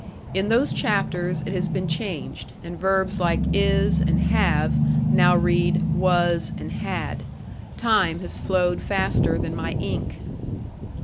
In those chapters it has been changed, and verbs like "is" and "have" now read "was" and "had." Time has flowed faster than my ink.